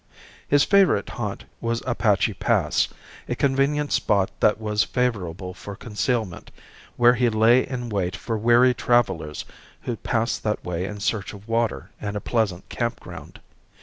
His favorite haunt was Apache Pass, a convenient spot that was favorable for concealment, where he lay in wait for weary travelers who passed that way in search of water and a pleasant camp ground.